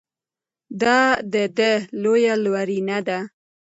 دا د ده لویه لورینه ده.